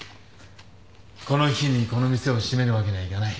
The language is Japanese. この日にこの店を閉めるわけにはいかない。